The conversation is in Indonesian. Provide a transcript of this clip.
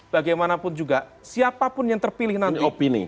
bagaimanapun juga siapapun yang terpilih nanti opini